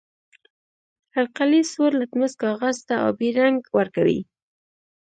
القلي سور لتمس کاغذ ته آبي رنګ ورکوي.